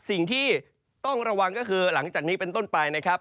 สิ่งที่ต้องระวังก็คือหลังจากนี้เป็นต้นไปนะครับ